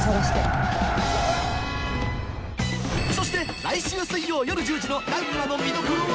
そして来週水曜夜１０時の第２話の見どころは？